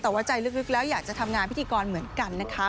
แต่ว่าใจลึกแล้วอยากจะทำงานพิธีกรเหมือนกันนะคะ